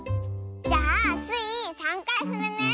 じゃあスイ３かいふるね。